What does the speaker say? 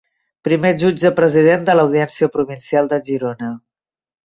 Primer jutge president de l'Audiència Provincial de Girona.